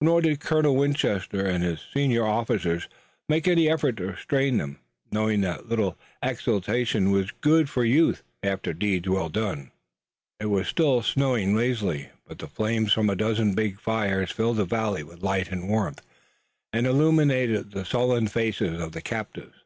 Nor did Colonel Winchester and his senior officers make any effort to restrain them, knowing that a little exultation was good for youth, after deeds well done. It was still snowing lazily, but the flames from a dozen big fires filled the valley with light and warmth and illuminated the sullen faces of the captives.